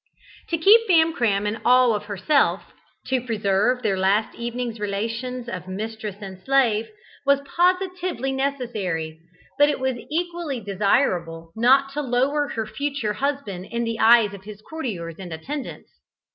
To keep Famcram in awe of herself to preserve their last evening's relations of mistress and slave was positively necessary, but it was equally desirable not to lower her future husband in the eyes of his courtiers and attendants.